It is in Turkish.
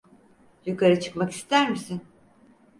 Yukarı çıkmak ister misin?